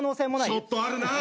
ちょっとあるなぁ！